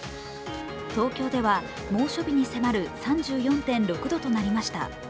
東京では猛暑日に迫る３４．６度となりました。